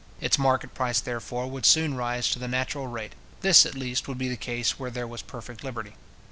Its market price, therefore, would soon rise to the natural price; this at least would be the case where there was perfect liberty.